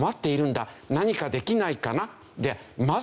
何かできないかな？」。